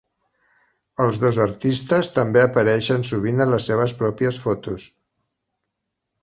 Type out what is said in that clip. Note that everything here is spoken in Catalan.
Els dos artistes també apareixen sovint a les seves pròpies "fotos".